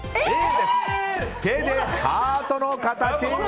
手でハートの形！